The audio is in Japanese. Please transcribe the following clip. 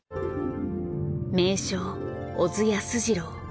名匠小津安二郎。